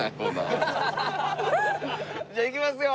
じゃあいきますよ！